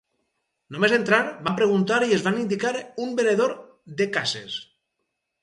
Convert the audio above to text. Només entrar, vam preguntar i ens van indicar un venedor de cases.